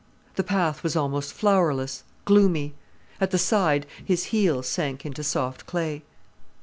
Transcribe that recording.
The path was almost flowerless, gloomy. At the side, his heels sank into soft clay.